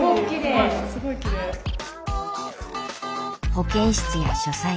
保健室や書斎。